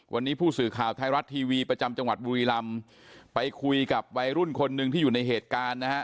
วันนี้ผู้สื่อข่าวไทยรัฐทีวีประจำจังหวัดบุรีลำไปคุยกับวัยรุ่นคนหนึ่งที่อยู่ในเหตุการณ์นะฮะ